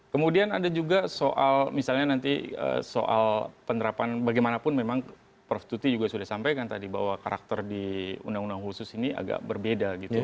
kemudian ada juga soal misalnya nanti soal penerapan bagaimanapun memang prof tuti juga sudah sampaikan tadi bahwa karakter di undang undang khusus ini agak berbeda gitu